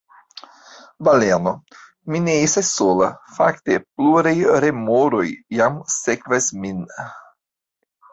Baleno: "Mi ne estas sola. Fakte, pluraj remoroj jam sekvas min."